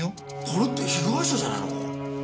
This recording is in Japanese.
これって被害者じゃないのか？